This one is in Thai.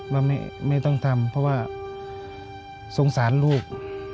ว่าไม่ต้องทำเพราะว่าสงสารลูก